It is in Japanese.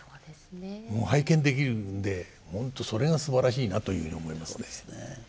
もう拝見できるんで本当それがすばらしいなというふうに思いますね。